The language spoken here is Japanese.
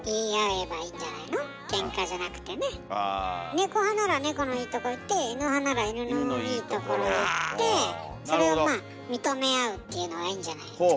ネコ派ならネコのいいとこ言ってイヌ派ならイヌのいいところを言ってそれをまあ認め合うっていうのがいいんじゃないですか。